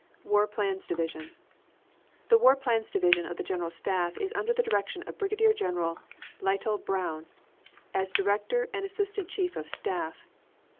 WAR PLANS DIVISION The War Plans Division of the General Staff is under the direction of Brigadier General Lytle Brown, as Director and Assistant Chief of Staff.